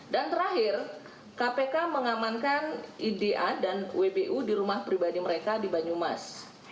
dan terakhir kpk mengamankan ida dan wbu di rumah pribadi mereka di banyumas